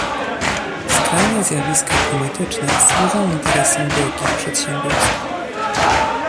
skrajne zjawiska klimatyczne służą interesom wielkich przedsiębiorstw